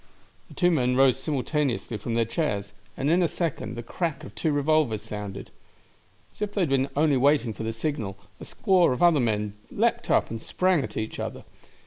The two men rose simultaneously from their chairs, and in a second the crack of two revolvers sounded. As if they had only been waiting for the signal, a score of other men leaped up and sprang at each other.